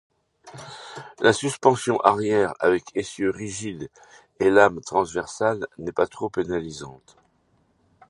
La suspension arrière avec essieu rigide et lame transversale n'est pas trop pénalisante.